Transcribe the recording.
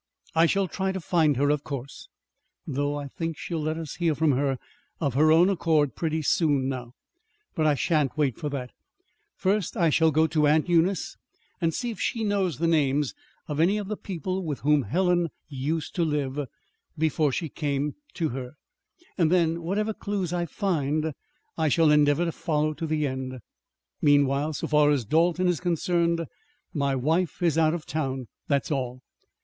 "I shall try to find her, of course, though I think she'll let us hear from her of her own accord, pretty soon, now. But I shan't wait for that. First I shall go to Aunt Eunice and see if she knows the names of any of the people with whom Helen used to live, before she came to her. Then, whatever clues I find I shall endeavor to follow to the end. Meanwhile, so far as Dalton is concerned, my wife is out of town. That's all.